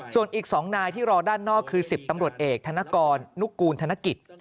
ส่วนอีก๒นายที่รอด้านนอกคือ๑๐ตำรวจเอกธนกรนุกูลธนกิจ